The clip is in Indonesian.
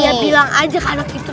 ya bilang aja ke anak itu